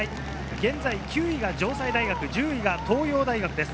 現在９位が城西大学、１０位は東洋大学です。